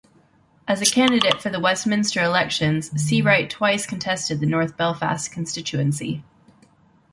As a candidate for the Westminster elections, Seawright twice contested the North Belfast constituency.